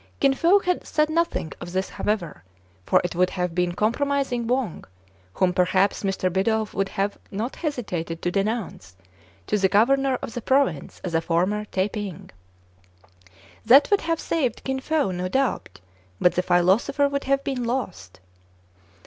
Kin Fo said nothing of this however ; for it would have been compromising Wang, whom perhaps Mr. Bidulph would not have hesitated to denounce to the governor of the province as a former Tai ping. That would have saved Kin Fo, no doubt ; but the philosopher would have been lost.